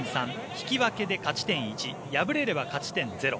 引き分けで勝ち点１敗れれば勝ち点０。